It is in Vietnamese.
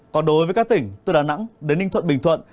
còn đối với các tỉnh từ đà nẵng đến ninh thuận bình thuận